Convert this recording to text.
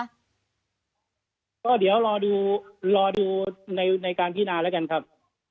สอยนก็เดี๋ยวรอดูในการพินาแล้วกันครับ